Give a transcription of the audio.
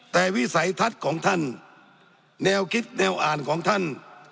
แต่วิสัยทัศน์ของท่านแนวคิดแนวอ่านของท่าน